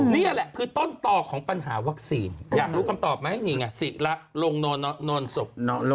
นี่แหละคือต้นต่อของปัญหาวัคซีนอยากรู้คำตอบไหมนี่ไงศิละลงนอนศพ